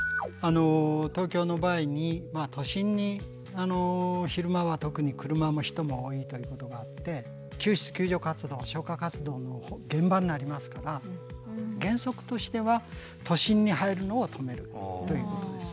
東京の場合に都心に昼間は特に車も人も多いということがあって救出・救助活動消火活動の現場になりますから原則としては都心に入るのを止めるということです。